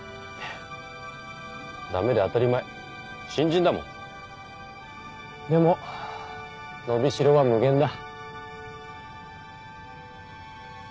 ダメで当たり前新人だもんでも伸び代は無限だ